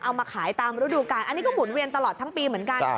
เอามาขายตามฤดูการอันนี้ก็หุ่นเวียนตลอดทั้งปีเหมือนกัน